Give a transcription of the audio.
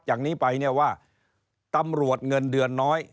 จากนี้ไปเนี่ยว่าตำรวจเงินเดือนน้อย